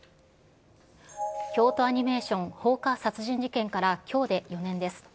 京都アニメーション放火殺人事件からきょうで４年です。